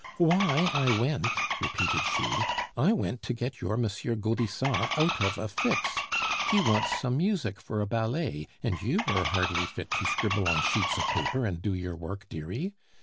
"Why I went?" repeated she. "I went to get your M. Gaudissart out of a fix. He wants some music for a ballet, and you are hardly fit to scribble on sheets of paper and do your work, dearie.